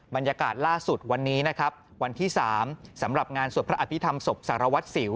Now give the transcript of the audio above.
บรรยากาศล่าสุดวันนี้นะครับวันที่๓สำหรับงานสวดพระอภิษฐรรมศพสารวัตรสิว